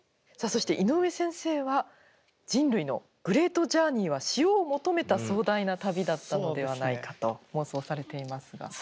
さあそして井ノ上先生は人類のグレートジャーニーは塩を求めた壮大な旅だったのではないかと妄想されていますが。